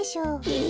え！